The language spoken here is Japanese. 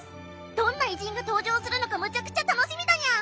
どんな偉人が登場するのかむちゃくちゃ楽しみだにゃん！